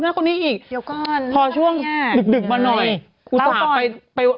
สวัสดีค่ะข้าวใส่ไข่สดใหม่เยอะสวัสดีค่ะ